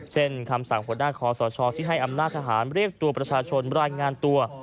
คำสั่งหัวหน้าคอสชที่ให้อำนาจทหารเรียกตัวประชาชนรายงานตัว